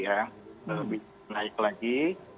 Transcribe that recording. ya lebih naik lagi